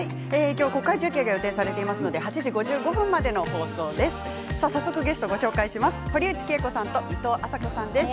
今日は国会中継が予定されているので８時５５分までの放送です。